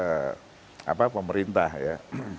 karena langsung berkaitan dengan pemerintah ya